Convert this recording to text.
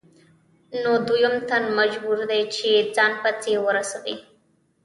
نو دویم تن مجبور دی چې ځان پسې ورسوي